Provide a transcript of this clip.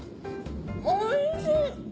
おいしい！